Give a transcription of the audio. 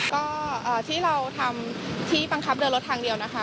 ก็ที่เราทำที่บังคับเดินรถทางเดียวนะคะ